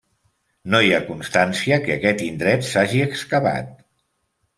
No hi ha constància que aquest indret s'hagi excavat.